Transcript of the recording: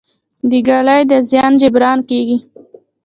د ږلۍ د زیان جبران کیږي؟